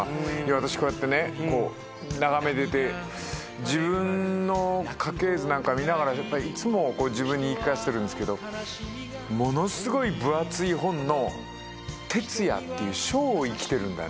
私こうやってね眺めてて自分の家系図なんか見ながらいつも自分に言い聞かせてるんですけどものすごい分厚い本の鉄矢っていう章を生きてるんだね。